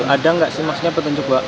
ada nggak sih maksudnya petunjuk mbak